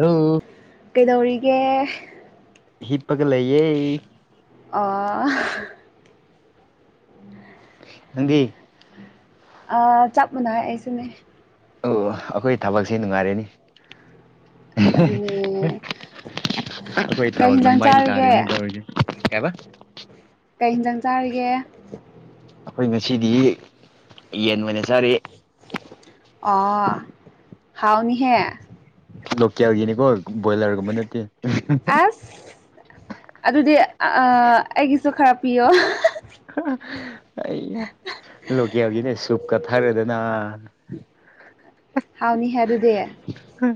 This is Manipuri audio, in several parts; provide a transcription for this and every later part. ꯑ ꯀꯩꯗꯧꯔꯤꯒꯦ ꯍꯤꯞꯄꯒ ꯂꯩꯌꯦꯦ ꯑ ꯅꯪꯗꯤ ꯑ ꯆꯞ ꯃꯅ ꯑꯩꯁꯨꯅꯦ ꯑꯣ ꯑꯩꯈꯣꯏ ꯊꯕꯛꯁꯦ ꯅꯨꯡꯉꯥꯏꯔꯅꯤ ꯑꯗꯨ ꯑꯗꯨꯅꯦ ꯀꯣꯏ ꯀꯩ ꯊꯕꯛ ꯍꯤꯟꯖꯥꯡ ꯂꯕꯥꯥꯏ ꯆꯥꯔꯤꯒꯦ ꯇꯥꯔꯦꯅꯤ ꯇꯔꯒ ꯀꯕ ꯀꯩ ꯍꯟꯖꯪ ꯆꯥꯔꯤꯒꯦ ꯑꯩꯈꯣꯏ ꯉꯁꯤꯗꯤ ꯌꯦꯟ ꯑꯣꯏꯅ ꯆꯥꯔꯤ ꯑ ꯍꯥꯎꯥꯎꯅꯤꯍꯦ ꯂꯣꯀꯦꯜꯒꯤꯅꯤꯀꯣ ꯕꯣꯏꯂꯔꯒꯨꯝꯕ ꯅꯠꯇꯦ ꯑꯁ ꯑꯗꯨꯗꯤ ꯑꯩꯒꯤꯁꯨ ꯈꯔ ꯄꯤꯌꯣ ꯑꯩꯅ ꯂꯣꯀꯦꯜꯒꯤꯅꯦ ꯁꯨꯞ ꯀꯠꯊꯔꯦꯗꯅ [inaudible] ꯑꯗꯨꯗꯤ ꯍ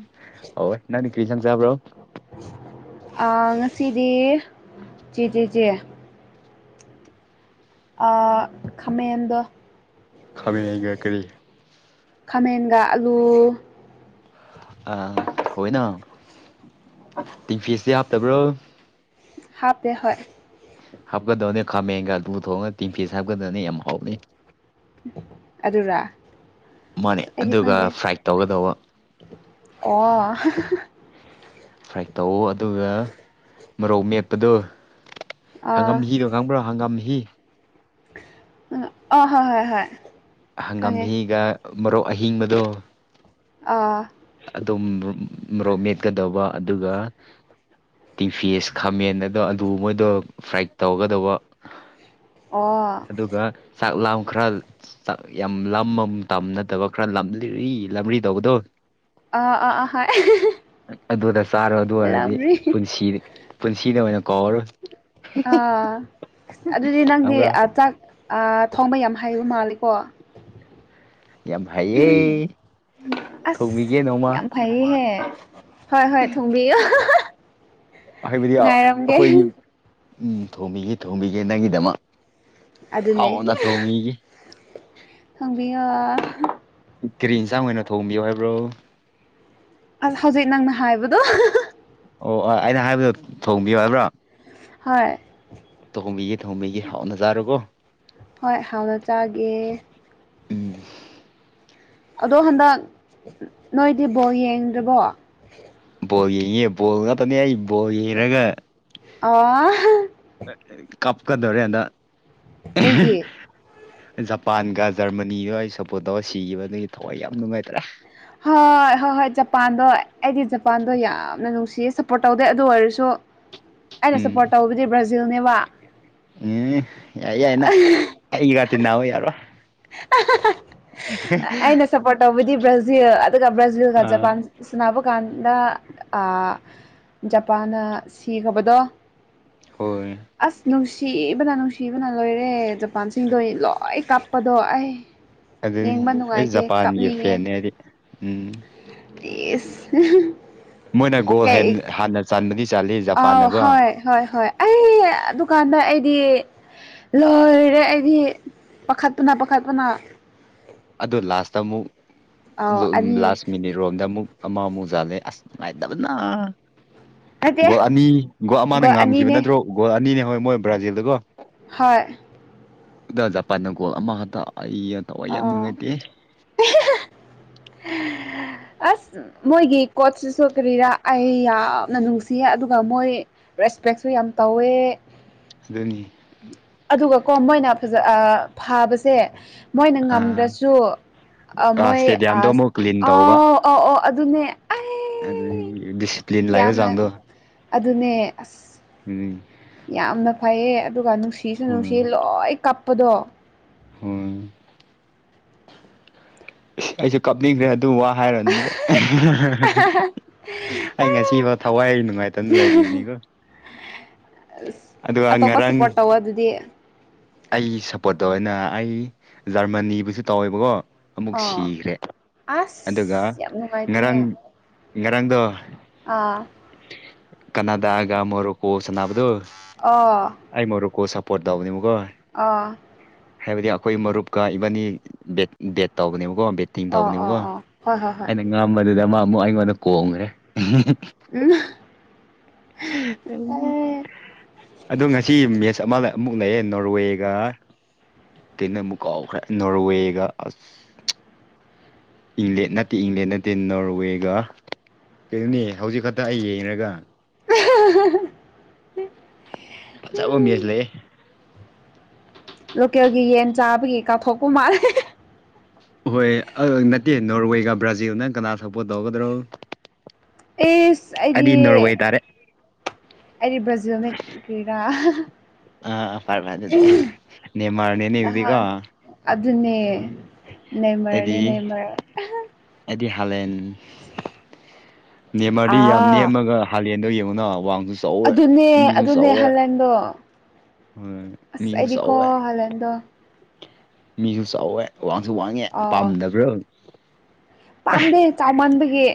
ꯅꯅꯤ ꯀ꯭ꯔꯤꯁꯪ ꯆꯥꯕ꯭ꯔꯣ ꯉꯁꯤꯗꯤ ꯆꯦ ꯆꯦ ꯆꯦ ꯑ ꯈꯃꯗ ꯈꯥꯃ ꯅꯩꯅꯒ ꯀꯔꯤ ꯈꯥꯃꯦꯟꯒ ꯑꯂꯨ ꯑ ꯍꯣꯏꯅ ꯇꯤꯐꯁꯦ ꯍꯥꯞꯇꯕ꯭ꯔꯣ ꯍꯥꯞꯦ ꯍꯣꯏ ꯍꯥꯞꯀꯗꯧꯅꯤ ꯈꯥꯃꯦꯟꯒ ꯂꯨꯊꯣꯡꯉꯒ ꯇꯤꯟ ꯐꯤꯁ ꯍꯥꯞꯀꯗꯕꯅꯤ ꯌꯥꯝ ꯍꯥꯎꯂꯤ ꯑꯗꯨꯔ ꯃꯥꯅꯦ ꯑꯁ ꯑꯩꯗꯤ ꯑꯗꯨꯒ ꯈꯪꯗꯦ ꯐ꯭ꯔꯥꯏ ꯇꯧꯒꯗꯧꯕ ꯑꯣ ꯐ꯭ꯔꯥꯏ ꯇꯧ ꯑꯗꯨꯒ ꯃꯔꯣꯛ ꯃꯦꯠꯄꯗꯨꯣ ꯑꯥ ꯍꯥꯡꯉꯝꯒ ꯍꯪꯉꯥꯡꯕ꯭ꯔꯥ ꯍꯪꯒꯥꯝꯍꯤ ꯑ ꯍ ꯍꯣꯏ ꯍꯣꯏ ꯈꯪꯉꯦ ꯍꯪꯒꯥꯝꯍꯤꯒ ꯃꯔꯣꯛ ꯑꯍꯤꯡꯕꯗꯣ ꯑꯥ ꯑꯗꯨꯝ ꯃꯣꯛ ꯃꯦꯠꯀꯗꯧꯕ ꯑꯗꯨꯒ ꯇꯤꯐꯤꯁ ꯈꯥꯃꯦꯟ ꯑꯗꯣ ꯑꯗꯨ ꯃꯣꯏꯗꯣ ꯐ꯭ꯔꯥꯏꯠ ꯇꯧꯒꯗꯧꯕ ꯑꯣ ꯑꯗꯨꯒ ꯆꯥꯛ ꯂꯥꯎ ꯈꯔ ꯌꯥꯝ ꯂꯝ ꯑꯃ ꯇꯝꯅꯗꯕ ꯈꯔ ꯂꯝꯂꯤꯔꯤ ꯂꯝꯔꯤ ꯇꯧꯕꯗꯣ ꯑꯥ ꯑꯥ ꯑꯥ ꯍ ꯑꯗꯨꯗ ꯆꯥꯔꯣ ꯑꯗꯨ ꯑꯣꯏꯔꯗꯤ ꯄꯨꯁꯤ ꯄꯨꯟꯁꯤꯗ ꯑꯣꯏꯅ ꯀꯥꯎꯔꯔꯣꯏ ꯑꯥ ꯑꯗꯨꯗꯤ ꯅꯪꯗꯤ ꯈꯪꯕ꯭ꯔꯥ ꯆꯥꯛ ꯊꯣꯡꯕ ꯌꯥꯝ ꯍꯩꯕ ꯃꯥꯂꯦꯀꯣ ꯌꯥꯝ ꯐꯩꯌꯦ ꯊꯧꯤꯒꯦ ꯅꯣꯡꯃ ꯐꯩꯍꯦ ꯍꯣꯏ ꯍꯣꯏ ꯊꯣꯡꯕꯤꯌꯨ ꯍꯥꯏꯕꯗꯤ ꯉꯥꯏꯔꯝꯒꯦ ꯑꯩꯈꯣꯏꯒꯤ ꯎꯝ ꯊꯣꯝꯕꯤꯒꯦ ꯊꯣꯡꯕꯤꯒꯦ ꯅꯪꯒꯤꯗꯃꯛ ꯍꯥꯎ ꯅ ꯊ ꯃꯤꯒꯤ ꯐꯪꯕꯤ ꯌꯥ ꯀꯦꯔꯤ ꯏꯟꯁꯥꯡ ꯑꯣꯏꯅ ꯊꯣꯡꯕꯤꯌꯣ ꯍꯥꯏꯕ꯭ꯔꯣ ꯑ ꯍꯧꯖꯤꯛ ꯅꯪꯅ ꯍꯥꯏꯕꯗꯣ ꯑꯣ ꯑꯩꯅ ꯍꯥꯏꯕꯗꯣ ꯊꯣꯡꯕꯤꯌꯨ ꯍꯥꯏꯕ꯭ꯔꯣ ꯍꯣꯏ ꯊꯣꯡꯕꯤꯒꯦ ꯊꯣꯡꯕꯤꯒꯦ ꯍꯥꯎꯅꯖꯥꯔꯨꯀꯣ ꯍꯣꯏ ꯍꯥꯎꯅ ꯆꯥꯒꯦ ꯎꯝ ꯑꯗꯣ ꯍꯟꯗꯛ ꯅꯣꯏꯗꯤ ꯕꯣ ꯌꯦꯡꯗ꯭ꯔꯔꯤꯕꯣ ꯕꯣꯜ ꯌꯦꯡꯉꯤꯦ ꯕꯣꯜ ꯉꯥꯛꯇꯅꯦ ꯑꯩ ꯕꯣꯜ ꯌꯦꯡꯔꯒ ꯑ ꯀꯞ ꯀꯗꯔꯦꯗ ꯀꯩꯒꯤ ꯖꯄꯥꯟꯒ ꯖꯔꯃꯅꯤꯒ ꯑꯩ ꯁꯞꯄꯣꯔꯠ ꯇꯧꯔꯒ ꯁꯤꯈꯤꯕ ꯑꯗꯨꯒꯤ ꯊꯋꯥꯏ ꯌꯥꯝ ꯅꯨꯡꯉꯥꯏꯇ꯭ꯔꯦ ꯍꯣꯏ ꯍꯣꯏ ꯍꯣꯏ ꯖꯄꯥꯟꯗꯣ ꯑꯩꯗꯤ ꯖꯄꯥꯟꯗꯣ ꯌꯥꯝꯅ ꯅꯨꯡꯁꯤꯌꯦ ꯁꯞꯄꯣꯔꯠ ꯇꯧꯗꯦ ꯑꯗꯨ ꯑꯣꯏꯔꯁꯨ ꯑꯩꯅ ꯎꯝ ꯁꯞꯄꯣꯔꯠ ꯇꯧꯕꯗꯤ ꯕ꯭ꯔꯥꯖꯤꯜꯅꯦꯕ ꯎꯝ ꯌꯥꯏ ꯌꯥꯏꯅ ꯑꯩꯒꯇꯤꯟꯟꯅꯑꯣ ꯌꯥꯔꯣ ꯑꯩꯅ ꯁꯞꯄꯣꯔꯠ ꯇꯧꯕꯗꯤ ꯕ꯭ꯔꯥꯖꯤꯜ ꯑꯗꯨꯒ ꯕ꯭ꯔꯥꯖꯤꯜꯒ ꯖꯄꯥꯟ ꯑꯥ ꯁꯅꯕ ꯀꯥꯟꯗ ꯖꯄꯥꯟꯅ ꯁꯤꯈ꯭ꯔꯕꯗꯣ ꯍꯣꯏ ꯑꯁ ꯅꯨꯡꯁꯤꯕꯅ ꯅꯨꯡꯁꯤꯕꯅ ꯂꯣꯏꯔꯦ ꯖꯄꯥꯟꯁꯤꯡꯗꯣ ꯂꯣꯏ ꯀꯥꯞ ꯀꯗꯣꯛꯦ ꯑꯗꯨꯅꯤ ꯑꯩ ꯖꯄꯥꯟꯒꯤ ꯐꯦꯦ ꯍꯥꯏꯗꯤ ꯎꯝ ꯏꯁ ꯃꯣꯏꯅ ꯒꯣꯜ ꯀꯩ ꯍꯥꯟꯅ ꯆꯟꯥꯟꯕꯗꯤ ꯆꯥ ꯑꯥꯎ ꯍꯣꯏ ꯍꯣꯏ ꯍꯣꯏ ꯑꯩ ꯗꯨꯀꯥꯟꯗ ꯑꯩꯗꯤ ꯂꯣꯏꯔꯦ ꯑꯩꯗꯤ ꯄꯥꯈꯠꯄꯨꯅ ꯄꯥꯈꯠꯄꯨꯅ ꯑ ꯂꯥꯁꯇ ꯑꯃꯨꯛ ꯑꯥꯎ ꯑꯅꯤ ꯂꯥꯁ ꯃꯤꯅꯤꯠ ꯔꯣꯝꯗ ꯑꯃꯨꯛ ꯑꯃ ꯑꯃꯨꯛꯖꯥꯠꯂꯦ ꯑꯁ ꯅꯨꯡꯉꯥꯏꯇꯕꯅ ꯅꯠꯇꯦ ꯒꯣꯜ ꯑꯅꯤ ꯒꯣꯜ ꯑꯃꯅ ꯉꯥꯝꯈꯤꯕ ꯅꯠꯇ꯭ꯔꯣ ꯒꯣꯜ ꯑꯅꯤꯅꯦ ꯍꯣꯏ ꯃꯣꯏ ꯕ꯭ꯔꯥꯖꯤꯜꯗꯒꯣ ꯍꯣꯏ ꯑꯗ ꯖꯄꯥꯟꯗ ꯒꯣꯜ ꯑꯃ ꯍꯛꯇ ꯑꯩꯩꯅ ꯇꯋꯥꯏ ꯌꯥꯝ ꯑꯥ ꯅꯨꯡꯉꯥꯏꯇꯦ ꯑꯁ ꯃꯣꯏꯒꯤ ꯀꯣꯠꯁꯤꯁꯨ ꯀꯔꯤꯔꯥ ꯑꯩ ꯌꯥꯝꯅ ꯅꯨꯡꯁꯤꯌꯦ ꯑꯗꯨꯒ ꯃꯣꯏ ꯔꯦꯁꯄꯦꯛꯁꯨ ꯌꯥꯝ ꯇꯧꯋꯦ ꯑꯗꯨꯅꯤ ꯑꯗꯨꯒ ꯀꯣ ꯃꯣꯏꯅ ꯐꯖ ꯐꯥꯕꯁꯦ ꯃꯣꯏꯅ ꯑꯥ ꯉꯝꯗ꯭ꯔꯁꯨ ꯃꯣꯏ ꯏꯁꯇꯦꯗꯤꯌꯝꯗꯣ ꯑꯁ ꯑꯃꯨꯛ ꯀ꯭ꯂꯤꯟ ꯇꯧꯕ ꯑꯥꯎ ꯑꯥꯎ ꯑꯧ ꯑꯗꯨꯅꯦ ꯑꯗꯨ ꯑꯩ ꯗꯤꯁꯤꯄ꯭ꯂꯤꯟ ꯂꯥꯛꯕ ꯌꯥꯝꯅ ꯆꯥꯡꯗꯣ ꯑꯗꯨꯅꯦ ꯑꯁ ꯎ ꯌꯥꯝꯅ ꯐꯩꯌꯦ ꯑꯗꯨꯒ ꯅꯨꯡꯁꯤꯁꯨ ꯅꯨꯡꯁꯤ ꯎꯝ ꯂꯣꯏ ꯀꯥꯞꯄꯗꯣ ꯍꯣꯏ ꯑꯩꯁꯨꯦ ꯀꯥꯞꯅꯤꯡꯗ꯭ꯔꯦ ꯑꯗꯨ ꯋꯥ ꯍꯥꯏꯔꯣ ꯑꯗꯨ ꯑꯃꯀ ꯑꯩ ꯉꯁꯤꯐꯥꯎ ꯊꯋꯥꯏ ꯅꯨꯡꯉꯥꯏꯇꯅ ꯂꯩꯔꯤꯕꯅꯤꯀꯣ ꯑꯗꯨꯒ ꯑ ꯊꯣꯄꯁꯨ ꯉꯔꯥꯡ ꯄ ꯍ ꯑꯗꯨꯗꯤ ꯑꯩ ꯁꯞꯄꯣꯔꯠ ꯇꯧꯦꯅ ꯑꯩ ꯖꯔꯃꯅꯤꯕꯨꯁꯨ ꯇꯧꯋꯦꯕꯀꯣ ꯑꯃꯨꯛ ꯑꯥ ꯁꯤꯈ꯭ꯔꯦ ꯑꯗꯨꯒ ꯑꯁ ꯌꯥꯝ ꯅꯨꯡꯉꯥꯏꯇꯦꯍꯦ ꯉꯔꯥꯡ ꯉꯔꯥꯡꯗꯣ ꯑꯥ ꯀꯅꯥꯗꯒ ꯃꯣꯣꯔꯣ ꯀꯣꯁꯅꯥꯕꯗꯨ ꯑꯥ ꯑꯥꯏꯃꯔ ꯀꯧꯕ ꯁꯄꯣꯣꯔꯠꯗꯗꯥꯎꯗꯤꯕꯨꯒꯣ ꯑꯥ ꯍꯥꯏꯕꯗꯤ ꯑꯩꯈꯣꯏ ꯃꯔꯨꯞꯀ ꯏꯕꯟꯅꯤꯠ ꯕꯦꯠ ꯇꯧꯕꯅꯦꯕꯀꯣ ꯑꯣ ꯑꯣ ꯇꯤꯡꯊꯧꯧꯕꯅꯦꯕꯀꯣ ꯑꯣ ꯍꯣꯏ ꯍꯣꯏ ꯍꯣꯏ ꯑꯩꯅ ꯉꯝꯕꯗꯨꯗ ꯑꯃ ꯑꯃꯨꯛ ꯑꯩꯉꯣꯟꯗ ꯀꯣꯡꯈ꯭ꯔꯦ ꯎ ꯎ ꯎꯝ ꯑꯦ ꯑꯗꯣ ꯉꯁꯤ ꯃꯦꯠꯆ ꯑꯃ ꯑꯃꯨꯛ ꯂꯩꯑꯦ ꯅꯣꯔꯋꯦꯒ ꯀꯩꯅꯣ ꯑꯃꯨꯛ ꯀꯥꯎꯈ꯭ꯔꯦ ꯅꯣꯔꯋꯦꯒ ꯑꯁ ꯏꯪꯂꯦꯟ ꯅꯠꯇꯦ ꯏꯪꯂꯦꯟ ꯅꯠꯇꯦ ꯅꯣꯔꯋꯦꯒ ꯀꯩꯅꯣꯅꯤ ꯍꯧꯖꯤꯛ ꯈꯛꯇ ꯑꯩ ꯌꯦꯡꯔꯒ [unintelligible] ꯐꯖꯕꯣ ꯃꯦꯖ ꯎꯝ ꯂꯩꯌꯦꯦ ꯂꯣꯀꯦꯜꯒꯤ ꯌꯦꯟ ꯆꯥꯕꯒꯤ ꯀꯥꯞꯊꯣꯛꯄ ꯃꯥꯜꯂꯦ ꯍꯣꯏ ꯅꯠꯇꯦ ꯅꯣꯔꯋꯦꯒ ꯕ꯭ꯔꯥꯖꯤꯜꯅ ꯀꯅꯥ ꯁꯛꯄꯣꯔ ꯇꯧꯒꯗ꯭ꯔꯣ ꯑꯦꯁ ꯑꯩꯗꯤ ꯅꯣꯔꯋꯦ ꯇꯥꯔꯦ ꯑꯩꯗꯤ ꯕ꯭ꯔꯥꯖꯤꯜꯅ ꯀꯔꯥ ꯑ ꯐꯔꯃꯗꯗꯦ ꯅ ꯃꯥꯔꯅꯅꯦ ꯏꯗꯤꯒꯣ ꯅꯍꯥꯟ ꯑꯗꯨꯅꯦ ꯅꯃꯔꯅꯤ ꯑꯩꯗꯤ ꯅꯃ ꯑꯩꯗꯤ ꯍꯥꯂꯦꯟ ꯅꯦꯝꯃꯔꯗꯤ ꯌꯥꯝ ꯑꯥ ꯅꯦꯝꯃꯒ ꯍꯥꯂꯦꯟꯗꯣ ꯌꯦꯡꯉꯨꯅ ꯋꯥꯡꯁꯨ ꯆꯥꯎꯋꯦ ꯑꯗꯨꯅꯦ ꯃꯤꯁꯨ ꯑꯗꯨꯅꯦ ꯆꯥꯎꯋꯦ ꯍꯂꯦꯟꯗꯣ ꯍꯣꯏ ꯑꯁ ꯃꯤꯁꯨ ꯑꯩꯗꯤꯀꯣ ꯆꯥꯎꯋꯦ ꯍꯥꯂꯦꯟꯗꯣ ꯃꯤꯁꯨ ꯆꯥꯎꯋꯦ ꯋꯥꯡꯁꯨ ꯋꯥꯡꯉꯦ ꯑꯥꯎ ꯄꯥꯝꯗꯕ꯭ꯔꯥ ꯄꯥꯝꯗꯦ ꯆꯥꯎꯃꯟꯕꯒꯤ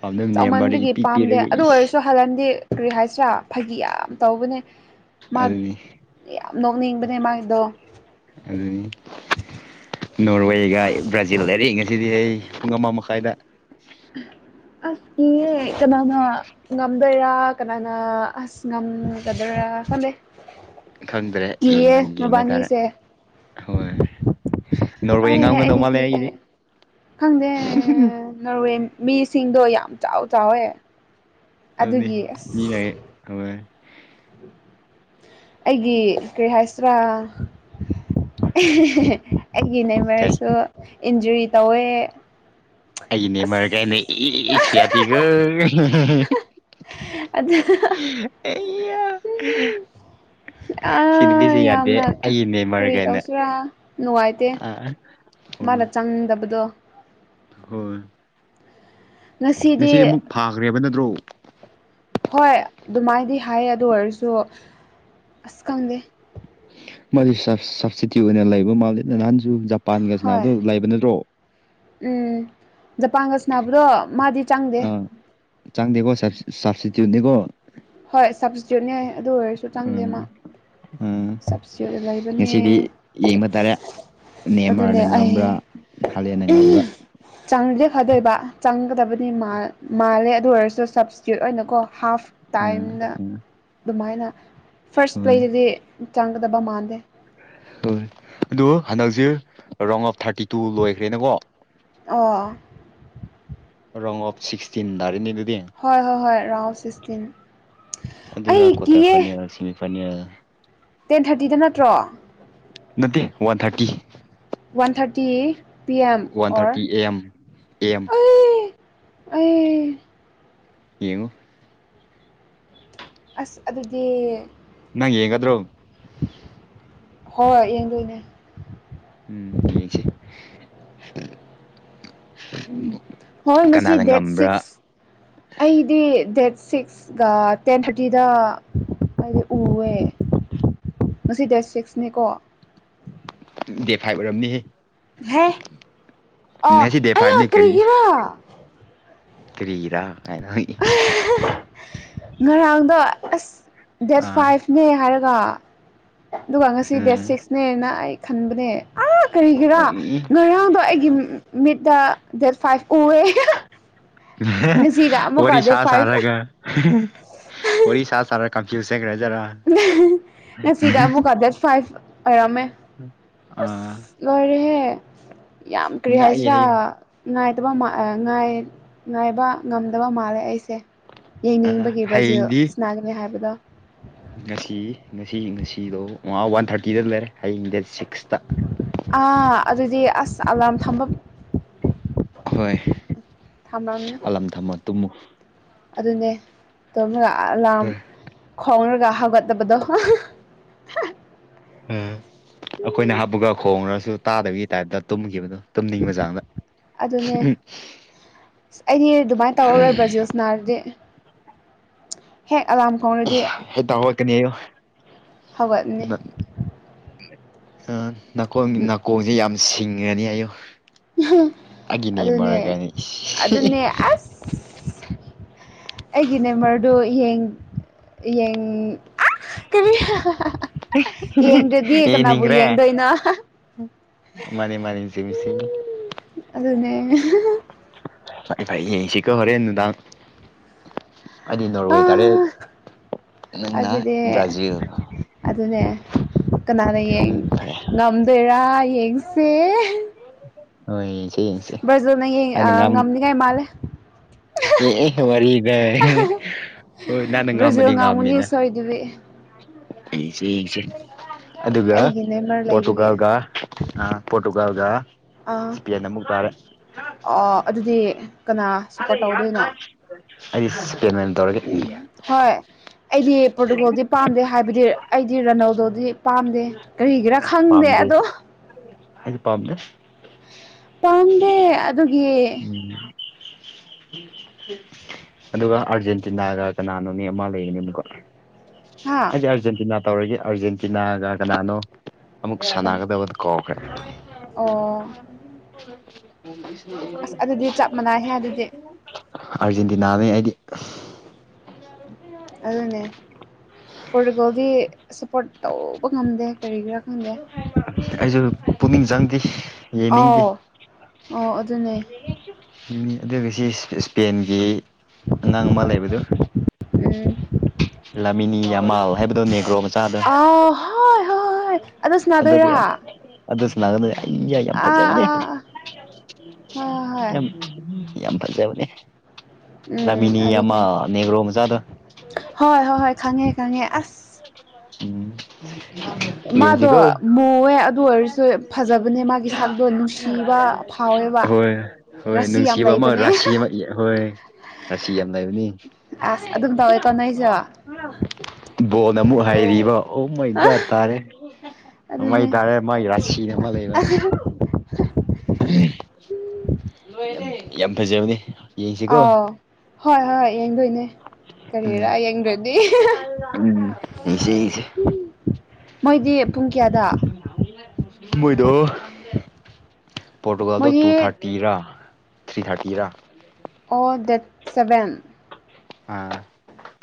ꯄꯥꯝꯗꯕ ꯅꯦꯝꯃꯔꯗꯤ ꯆꯥꯎꯃꯟꯕꯒꯤ ꯏꯄꯤ ꯄꯥꯝꯗꯦ ꯄꯤꯔꯒ ꯑꯗꯨ ꯏꯁ ꯑꯣꯏꯔꯁꯨ ꯍꯜꯍꯟꯗꯤ ꯀꯔꯤ ꯍꯥꯏꯁꯔꯥ ꯐꯥꯒꯤ ꯌꯥꯝ ꯇꯧꯕꯅꯦ ꯃꯥ ꯑꯗꯨꯅꯤ ꯌꯥꯝ ꯅꯣꯛꯅꯤꯡꯕꯅꯦ ꯃꯥꯒꯤꯗꯣ ꯑꯗꯨ ꯑꯗꯨꯅꯤ ꯅꯣꯔꯋꯦꯒ ꯕ꯭ꯔꯥꯖꯤꯜ ꯍꯥꯏꯔꯤ ꯉꯁꯤꯗꯤ ꯑꯩ ꯄꯨꯡ ꯑꯃ ꯃꯈꯥꯏꯗ ꯑꯁ ꯏ ꯀꯅꯥꯅ ꯉꯝꯗꯣꯏꯔꯥ ꯀꯅꯥꯅ ꯑꯁ ꯉꯝꯒꯗꯣꯏꯔꯥ ꯈꯟꯅꯩ ꯈꯪꯗ꯭ꯔꯦ ꯌꯦꯡꯕ ꯇꯥꯔꯦ ꯍꯣꯏ ꯅꯣꯕ ꯏ ꯑꯩ ꯉꯥꯡꯒꯗꯧ ꯑꯩꯗꯤ ꯃꯥꯂꯦ ꯏꯗꯤ ꯀꯤꯌꯦ ꯈꯪꯗꯦ ꯅꯣꯔꯋꯦ ꯃꯤꯁꯤꯡꯗꯣ ꯌꯥꯝ ꯆꯥꯎ ꯆꯥꯎꯋꯦ ꯑꯗꯨꯅꯤ ꯑꯗꯨꯒꯤ ꯃꯤꯅ ꯍꯣꯏ ꯎ ꯑꯩꯒꯤ ꯀꯔꯤ ꯍꯥꯏꯥꯏꯁꯇ꯭ꯔꯥ ꯑꯩꯒꯤ ꯀꯩ ꯅꯃꯔꯁꯨ ꯏꯟꯖꯨꯔꯤ ꯇꯧꯋꯦ ꯑꯩꯅꯦ ꯑꯁ ꯃꯔꯔ ꯀꯥꯏꯅꯦ ꯏ ꯁꯤꯌꯥꯇꯤꯒ ꯑꯗ ꯑꯩ [inaudible] ꯑ ꯌꯥꯝꯅ ꯑꯩꯒꯤ ꯅꯦꯝꯃꯔ ꯀꯔꯤ ꯀꯥꯏꯅ ꯇꯧꯁꯤꯔꯥ ꯅꯨꯡꯉꯥꯏꯇꯦ ꯑꯥ ꯃꯥꯅ ꯆꯪꯗꯕꯗꯣ ꯍ ꯉꯁꯤꯗꯤ ꯑꯃꯨꯛ ꯐꯥꯈ꯭ꯔꯦꯕ ꯅꯠꯇ꯭ꯔꯣ ꯍꯣꯏ ꯑꯗꯨꯃꯥꯏꯗꯤ ꯍꯥꯏꯌꯦ ꯑꯗꯨ ꯑꯣꯏꯔꯁꯨ ꯑꯁ ꯈꯪꯗꯦ ꯃ ꯁꯞꯕꯁꯤꯗꯤ ꯑꯣꯏꯅ ꯂꯩꯕ ꯃꯥꯜꯂꯦ ꯅꯍꯥꯟꯁꯨ ꯍꯣꯏ ꯖꯄꯥꯟꯒꯗꯣ ꯂꯩꯕ ꯅꯠꯇ꯭ꯔꯣ ꯎꯝ ꯖꯄꯥꯟꯒꯁꯅꯥꯕꯗꯣ ꯃꯥꯗꯤ ꯆꯪꯗꯦ ꯆꯪꯗꯤꯀ ꯁ ꯁꯞꯁꯗꯤꯤꯗꯨꯗꯤꯀꯣ ꯍꯣꯏ ꯁꯞꯕꯁꯤꯗꯤꯠꯅꯤ ꯑꯗꯨ ꯑꯣꯏꯔꯁꯨ ꯆꯪꯗꯦ ꯃꯥ ꯑꯝ ꯁꯞꯁꯇꯤꯇ꯭ꯌꯨꯠ ꯉꯁꯤꯗꯤ ꯂꯩꯕꯅꯦ ꯌꯦꯡꯕ ꯇꯥꯔꯦ ꯑꯗꯨꯅꯦ ꯃꯦꯟꯃꯥꯔꯅ ꯑꯩ ꯉꯝꯕ꯭ꯔꯥ ꯍꯂꯦꯟꯟꯅ ꯉꯝꯕ꯭ꯔꯥ ꯆꯪꯗꯦ ꯈꯗꯣꯏꯕ ꯆꯪꯒꯗꯕꯗꯤ ꯃꯥꯜꯂꯦ ꯑꯗꯨ ꯑꯣꯏꯔꯁꯨ ꯁꯞꯁꯇꯤꯇ꯭ꯌꯨꯠ ꯑꯣꯏꯅꯀꯣ ꯍꯥꯐ ꯎꯝ ꯇꯥꯏꯝꯗ ꯎꯝ ꯑꯗꯨꯃꯥꯏꯅ ꯐꯥꯔꯁ ꯍꯣꯏ ꯄ꯭ꯂꯦꯗꯗꯤ ꯆꯪꯒꯗꯕ ꯃꯥꯟꯗꯦ ꯍ ꯑꯗꯨ ꯍꯟꯗꯛꯁꯦ ꯔꯥꯎꯟ ꯑꯣꯞ ꯊꯥꯔꯇꯤ ꯇꯨ ꯂꯣꯏꯈ꯭ꯔꯦꯅꯀꯣ ꯑ ꯔꯣꯡ ꯑꯣꯐ ꯁꯤꯛꯁꯇꯤꯟ ꯥꯔꯦꯅꯦ ꯑꯗꯨꯗꯤ ꯍꯣꯏ ꯍꯣꯏ ꯍꯣꯏ ꯔꯥꯎ ꯁꯤꯛꯁꯇꯤꯟ ꯑꯩ ꯀꯤꯌꯦ ꯑꯩꯈꯅ ꯇꯦꯟ ꯊꯥꯔꯇꯤꯗ ꯅꯠꯇ꯭ꯔꯣ ꯅꯠꯇꯦ one thirty one thirty P M one or thirty A M A M ꯑꯩ ꯑꯩ ꯌꯦꯡꯉꯨ ꯑꯁ ꯑꯗꯨꯗꯤ ꯅꯪ ꯌꯦꯡꯗ꯭ꯔꯣ ꯍꯣꯏ ꯍꯣꯏ ꯌꯦꯡꯗꯣꯏꯅꯦ ꯎꯝ ꯌꯦꯡꯁꯦ ꯎ ꯍꯜ ꯃꯁꯤ ꯀꯅꯥꯅ ꯗꯦꯠ ꯉꯝꯕ꯭ꯔꯥ ꯁꯤꯛꯁ ꯑꯩꯗꯤ ꯗꯦꯠ ꯁꯤꯛꯁ ꯇꯦꯟ ꯊꯥꯔꯇꯤꯗ ꯑꯩꯗꯤ ꯎꯋꯦ ꯉꯁꯤ ꯗꯦꯁ ꯁꯤꯛꯁꯅꯦꯀꯣ ꯗꯦꯠ ꯐꯥꯏꯚ ꯑꯣꯏꯔꯝꯅꯤꯍꯦ ꯍꯦ ꯑꯥ ꯅ ꯁꯤ ꯗꯦꯠ ꯑꯩꯌꯥ ꯐꯥꯏꯚꯅꯦ ꯀꯔꯤ ꯀꯔꯤꯒꯤꯔꯥ ꯇꯔꯤꯗ ꯀꯅ ꯉꯔꯥꯡꯗꯣ ꯑꯁ ꯗꯦꯠ ꯑꯥ ꯐꯥꯏꯚꯅꯦ ꯍꯥꯏꯔꯒ ꯑꯗꯨꯒ ꯉꯁꯤ ꯗꯦꯠ ꯎꯝ ꯁꯤꯛꯁꯅꯦꯅ ꯑꯩ ꯈꯟꯕꯅꯦ ꯑꯥ ꯀꯔꯤꯒꯤꯔꯣ ꯉꯔꯥꯡꯗꯣ ꯑꯩꯒꯤ ꯃꯤꯠꯇ ꯗꯦꯠ ꯐꯥꯏꯚ ꯎꯑꯦ ꯉꯁꯤꯒ ꯑꯃꯨꯛꯀ ꯋꯥꯔꯤꯔꯤ ꯗꯦꯠ ꯐꯥꯏꯚ ꯁꯥꯥꯁꯔꯒ ꯋꯥꯔꯤ ꯁꯥ ꯁꯥꯔ ꯀꯟꯐ꯭ꯌꯨꯁ ꯆꯈ꯭ꯔꯦꯖꯔꯥ ꯉꯁꯤꯒ ꯑꯃꯨꯛꯀ ꯗꯦꯠ ꯐꯥꯏꯚ ꯑꯣꯏꯔꯝꯃꯦ ꯑꯥ ꯑꯁ ꯂꯣꯏꯔꯦꯍꯦ ꯌꯥꯝꯈ꯭ꯔꯦ ꯉꯥꯛꯏ ꯍꯥꯏꯁꯤꯔꯥ ꯍꯥꯏꯌꯣ ꯉꯥꯏꯇꯕ ꯉꯥꯏꯕ ꯉꯝꯗꯕ ꯃꯥꯜꯂꯦ ꯑꯩꯁꯦ ꯑꯥ ꯌꯦꯡꯅꯤꯡꯕꯒꯤ ꯍꯌꯦꯡꯗꯤ ꯕ꯭ꯔꯥꯖꯤꯜꯁꯅꯥꯒꯅꯤ ꯍꯥꯏꯕꯗꯣ ꯉꯁꯤ ꯉꯁꯤ ꯉꯁꯤꯗꯣ ꯃꯉ ꯋꯥꯟ ꯊꯥꯔꯇꯤꯗ ꯂꯩꯔꯦ ꯍꯌꯦꯡ ꯗꯦꯠ ꯁꯤꯛꯁꯇ ꯑꯥ ꯑꯗꯨꯗꯤ ꯑꯁ ꯑꯂꯥꯔꯝ ꯊꯝꯕ ꯍꯣꯏ ꯊꯝꯂꯝꯅꯤ ꯑꯂꯝꯝ ꯊꯝꯃꯣ ꯇꯨꯝꯃꯨ ꯑꯗꯨꯅꯦ ꯇꯣꯝꯃꯒ ꯑꯂꯥꯝ ꯍꯣꯏ ꯈꯣꯡꯅꯔꯒ ꯍꯥꯒꯠꯅꯕꯗꯣ ꯎꯝ ꯑꯩꯈꯣꯏꯅ ꯍꯥꯞꯄꯒ ꯈꯣꯡꯉ꯭ꯔꯁꯨ ꯇꯥꯗꯕꯒꯤ ꯇꯥꯏꯞꯇ ꯇꯨꯝꯈꯤꯕꯗꯨꯣ ꯇꯝꯅꯤꯡꯉꯤꯅ ꯆꯥꯡꯅ ꯁ ꯑꯩꯗꯤ ꯑꯗꯨꯃꯥꯏꯅ ꯇꯧꯔꯔꯣꯏ ꯕ꯭ꯔꯥꯖꯤꯜꯁ ꯅꯥꯔꯗꯤ ꯍꯦꯛ ꯑꯂꯥꯝ ꯈꯣꯡꯔꯗꯤ ꯍꯦꯛꯇ ꯍꯧꯒꯠꯀꯅꯤ ꯑꯌꯨ ꯍꯧꯒꯠꯅꯤ ꯑ ꯅꯥꯀꯣꯡ ꯅꯥꯀꯣꯡꯁꯦ ꯌꯥꯝ ꯁꯤꯡꯉꯅꯤ ꯑꯌꯨ ꯑꯒꯤꯅꯦ ꯑꯗꯨꯅꯦ ꯃꯔꯔꯦ ꯀꯅꯤ ꯑꯗꯨꯅꯦ ꯑꯁ ꯑꯩꯒꯤ ꯅꯦꯝꯕꯔꯗꯨ ꯌꯦꯡ ꯌꯦꯡ ꯌꯦꯡꯗ꯭ꯔꯗꯤ ꯀꯅꯥꯕꯨ ꯌꯦꯡꯗꯣꯏꯅꯣ ꯃꯅꯤ ꯃꯥꯅꯤ ꯁꯤꯃꯤꯁꯤꯃꯤ ꯑꯗꯨꯅꯦ ꯐꯩ ꯐꯩ ꯌꯦꯡꯁꯤꯀꯣ ꯍꯣꯔꯦꯟ ꯅꯨꯟꯗꯥꯡ ꯑꯩꯗꯤ ꯑ ꯅꯣꯔꯋꯦ ꯇꯥꯔꯦ ꯅꯪꯅ ꯑꯗꯨꯗꯤ ꯕ꯭ꯔꯥꯖꯤꯜ ꯑꯗꯨꯅꯦ ꯀꯅꯥꯅ ꯌꯦꯡ ꯎꯝ ꯐꯔꯦ ꯉꯝꯗꯣꯏꯔꯥ ꯌꯦꯡꯁꯦ ꯍꯣꯏ ꯌꯦꯡꯁꯦ ꯕ꯭ꯔꯖꯤꯜꯅ ꯌꯦꯡ ꯑ ꯑꯩꯅ ꯉꯝ ꯉꯝꯅꯤꯉꯥꯏ ꯃꯥꯜꯂꯦ ꯑꯦ ꯑꯦ ꯋꯥꯔꯤꯗ ꯍꯣꯏ ꯅꯪꯅ ꯉꯝꯃꯗꯤ ꯕ꯭ꯔꯥꯖꯤꯜ ꯉꯝꯒꯅꯤ ꯉꯝꯃꯤꯅ ꯁꯣꯏꯗꯕꯤ ꯑꯩꯁꯦ ꯌꯦꯡꯁꯦ ꯑꯗꯨꯒ ꯑꯩꯒꯤ ꯅꯦꯝꯃꯔ ꯂꯩꯕꯒꯤ ꯄꯣꯔꯇꯨꯒꯥꯜꯒ ꯑ ꯄꯣꯔꯇꯨꯒꯥꯜꯒ ꯑꯥ ꯏꯁ꯭ꯄꯦꯟ ꯑꯃꯨꯛ ꯇꯥꯔꯦ ꯑꯗꯨꯗꯤ ꯀꯅꯥ ꯁꯞꯄꯣꯔꯠ ꯇꯧꯗꯣꯏꯅꯣ ꯗ ꯌꯥꯦ [unintelligible] ꯍꯣꯏ ꯑꯩꯗꯤ ꯄ꯭ꯔꯣꯇꯣꯀꯣꯜꯗꯤ ꯄꯥꯝꯗꯦ ꯍꯥꯏꯕꯗꯤ ꯑꯩꯗꯤ ꯔꯟꯧꯗꯧꯗꯤ ꯄꯥꯝꯗꯦ ꯀꯔꯤꯒꯤꯔꯥ ꯈꯪꯗꯦ ꯑꯗꯣ ꯍꯥꯏꯗꯤ ꯄꯝ ꯇꯝꯗꯦ ꯑꯗꯨꯒꯤ ꯎ ꯑꯗꯨꯒ ꯑꯥꯔꯖꯦꯟꯇꯤꯅꯥꯒ ꯀꯅꯥꯅꯣꯅꯦ ꯑꯃ ꯂꯩꯕꯅꯦꯕꯀꯣ ꯍꯥ ꯍꯥꯏꯗꯤ ꯑꯥꯔꯖꯦꯟꯇꯤꯅꯥ ꯇꯧꯔꯒꯦ ꯑꯥꯔꯖꯦꯟꯇꯤꯅꯥꯒ ꯀꯅꯥꯅꯣ ꯑꯃꯨꯛ ꯀꯩꯅꯣ ꯁꯥꯟꯅꯒꯗꯕꯗꯨ ꯀꯧꯈ꯭ꯔꯦ ꯑꯣ ꯑꯁ ꯑꯗꯨꯗꯤ ꯆꯞ ꯃꯥꯟꯅꯩꯍꯦ ꯑꯗꯨꯗꯤ ꯑꯔꯖꯦꯟꯇꯤꯅꯥꯅꯤ ꯑꯩꯗꯤ ꯑꯗꯨꯟꯅꯦ ꯄꯣꯔꯇꯨꯒꯜꯒꯤ ꯁꯞꯄꯣꯔꯠ ꯇꯧꯕ ꯉꯝꯗꯦ ꯀꯔꯤꯒꯤꯔꯥ ꯈꯪꯗꯦ ꯑꯩꯁꯨ ꯄꯨꯛꯅꯤꯡ ꯆꯪꯗꯦ ꯌꯦꯡꯅꯤꯡꯗꯦ ꯑꯥꯎ ꯑꯣ ꯑꯗꯨꯅꯦ ꯑꯗꯨꯒ ꯁꯤ ꯏꯁꯄꯦꯟꯒꯤ ꯑꯉꯥꯡ ꯑꯃ ꯂꯩꯕꯗꯨ ꯎꯝ ꯂꯃꯤꯅꯤ ꯌꯥꯝꯃꯥꯜ ꯍꯥꯏꯕꯗꯣ ꯅꯒ꯭ꯔꯣ ꯃꯆ ꯑ ꯍꯣꯏ ꯍꯣꯏ ꯑꯗꯨ ꯑꯗꯨꯗꯤ ꯁꯅꯥꯗꯣꯏꯔꯥ ꯌꯥꯝ ꯑꯗꯨ ꯁꯅꯥꯒꯗꯣꯏꯅꯦ ꯑꯩ ꯌ ꯌꯥꯝ ꯐꯖꯕꯅꯦ ꯑꯥ ꯑꯥ ꯍꯣꯏ ꯍꯣꯏ ꯌꯥꯝ ꯌꯥꯝ ꯐꯖꯕꯅꯦ ꯎꯝ ꯂꯥꯃꯤꯅꯤ ꯑꯗꯨꯅꯦ ꯌꯦꯃꯥꯜ ꯅꯦꯒ꯭ꯔꯣ ꯃꯆꯥꯥꯗꯣ ꯍꯣꯏ ꯍꯣꯏ ꯍꯣꯏ ꯈꯪꯉꯦ ꯈꯪꯉꯦ ꯑꯁ ꯎꯝ ꯃꯥꯗꯣ ꯌꯦꯡꯁꯤꯀꯣ ꯃꯨꯋꯦ ꯑꯗꯨ ꯑꯣꯏꯔꯁꯨ ꯐꯖꯕꯅꯦ ꯃꯥꯒꯤ ꯁꯛꯇꯣ ꯅꯨꯡꯁꯤꯕ ꯐꯥꯎꯋꯦꯕ ꯍꯣꯏ ꯍꯣꯏ ꯔꯥꯁꯤ ꯌꯥꯝ ꯅꯨꯡꯁꯤꯕ ꯑꯃ ꯂꯩꯕꯅꯦ ꯔꯥꯁꯤ ꯑꯃ ꯍꯣꯏ ꯔꯥꯁꯤ ꯌꯥꯝ ꯂꯩꯕꯅꯤ ꯑꯁ ꯑꯗꯨꯝ ꯇꯧꯋꯦꯀꯣ ꯅꯣꯏꯁꯨ ꯕꯣꯟ ꯑꯃꯨꯛ ꯍꯥꯏꯔꯤꯕ ꯑꯣ ꯃꯩꯒꯠ ꯇꯥꯔꯦ ꯃꯩ ꯑꯗꯨꯅꯦ ꯇꯥꯔꯦ ꯃꯥꯒꯤ ꯔꯥꯁꯤ ꯑꯃ ꯂꯩꯕ ꯌꯥꯝ ꯐꯖꯕꯅꯦ ꯌꯦꯡꯁꯤꯀꯣ ꯑꯥꯎ ꯍꯣꯏ ꯍꯣꯏ ꯌꯦꯡꯗꯣꯏꯅꯦ ꯀꯔꯤꯔꯥ ꯎꯝ ꯌꯦꯡꯗ꯭ꯔꯗꯤ ꯎꯝ ꯌꯦꯡꯁꯦ ꯌꯦꯡꯁꯦ ꯃꯣꯏꯗꯤ ꯄꯨꯡ ꯀꯌꯥꯗ ꯃꯣꯏꯗꯣ ꯄꯣꯔꯇꯨꯒꯜꯗ ꯇꯨ ꯃꯣꯏꯗꯤ ꯊꯥꯔꯇꯤ ꯇꯤꯔꯥ ꯊ꯭ꯔꯤ ꯊꯥꯔꯇꯤꯔꯥ ꯑꯣ ꯗꯦꯠ ꯁꯕꯦꯟ ꯑꯥ